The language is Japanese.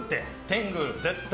天狗、絶対。